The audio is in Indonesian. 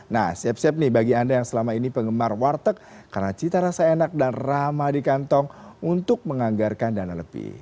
nah siap siap nih bagi anda yang selama ini penggemar warteg karena cita rasa enak dan ramah di kantong untuk menganggarkan dana lebih